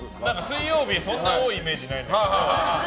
水曜日、そんなに多いイメージないんだけど。